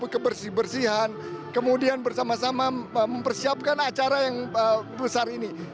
kebersihan kemudian bersama sama mempersiapkan acara yang besar ini